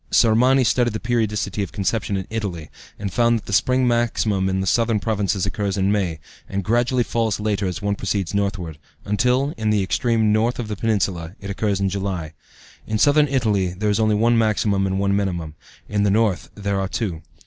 Sormani studied the periodicity of conception in Italy, and found that the spring maximum in the southern provinces occurs in May, and gradually falls later as one proceeds northward, until, in the extreme north of the peninsula, it occurs in July. In southern Italy there is only one maximum and one minimum; in the north there are two.